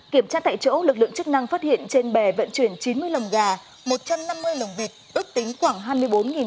kiểm tra tại chỗ lực lượng chức năng phát hiện trên bè vận chuyển chín mươi lồng gà một trăm năm mươi lồng vịt ước tính khoảng hai mươi bốn